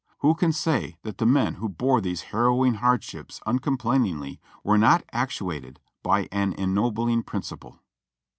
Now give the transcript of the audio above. Who can say that the men who bore these harrowing hard ships uncomplainingly were not actuated by an ennobling prin ciple.